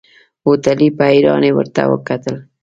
هوټلي په حيرانۍ ورته وکتل.